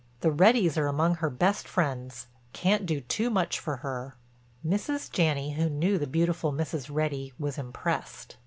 The Reddys are among her best friends—can't do too much for her." Mrs. Janney, who knew the beautiful Mrs. Reddy, was impressed.